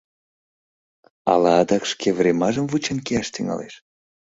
Ала адак шке времажым вучен кияш тӱҥалеш?